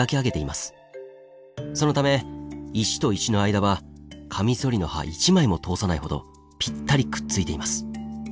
そのため石と石の間はカミソリの刃１枚も通さないほどぴったりくっついています。